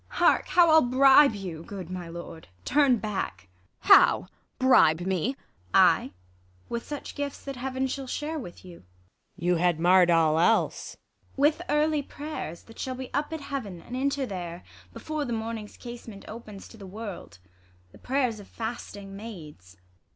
IsAB. Hark, how I'll bribe you ; good, my lord, turn back ! Ang. How ! bribe me 1 ISAB. Ay, with such gifts that Heaven shall share with you. Luc. You had marr'd all else. IsAB. With early prayers that shall Be up at Heaven, and enter there before The morning's casement opens to the world ; The prayers of ftisting maids.